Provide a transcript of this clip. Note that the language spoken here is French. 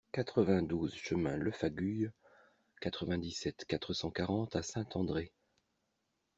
quatre-vingt-douze chemin Lefaguyes, quatre-vingt-dix-sept, quatre cent quarante à Saint-André